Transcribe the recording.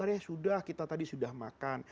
ya sudah kita tadi sudah makan